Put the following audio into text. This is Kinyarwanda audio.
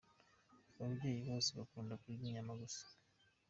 Ababyeyi bose bakunda kurya inyama gusa.